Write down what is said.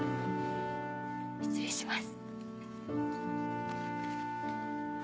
失礼します。